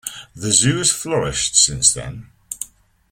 The zoo has flourished since then.